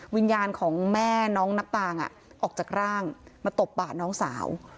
วิญญาณของแม่น้องนับตางออกจากร่างมาตบบ่าน้องสาว